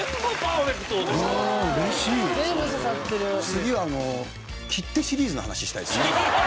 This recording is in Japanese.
次は切手シリーズの話したいですね。